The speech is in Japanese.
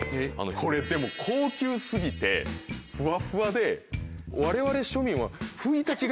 これでも高級過ぎてふわふわでわれわれ庶民は。